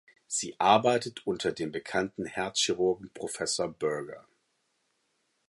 Sie arbeitet unter dem bekannten Herzchirurgen Professor Burger.